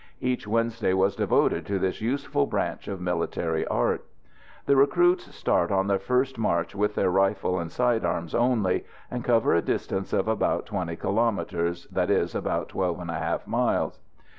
Each Wednesday was devoted to this useful branch of military art. The recruits start on their first march with their rifle and side arms only, and cover a distance of about 20 kilomètres that is, about 12 1/2 miles.